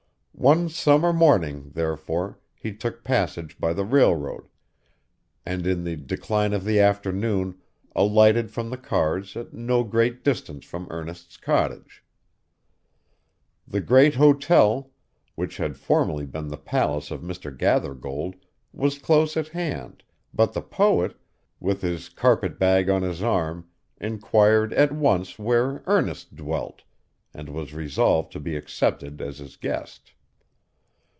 One summer morning, therefore, he took passage by the railroad, and, in the decline of the afternoon, alighted from the cars at no great distance from Ernest's cottage. The great hotel, which had formerly been the palace of Mr. Gathergold, was close at hand, but the poet, with his carpetbag on his arm, inquired at once where Ernest dwelt, and was resolved to be accepted as his guest.